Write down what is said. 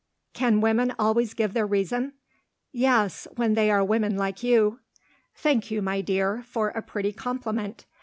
"Can women always give their reason?" "Yes when they are women like you." "Thank you, my dear, for a pretty compliment.